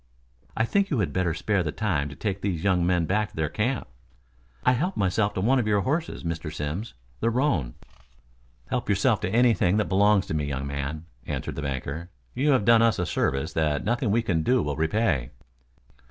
"I think you had better spare the time to take these young men back to their camp." "I helped myself to one of your horses, Mr. Simms. The roan." "Help yourself to anything that belongs to me, young man," answered the banker. "You have done us a service that nothing we can do will repay."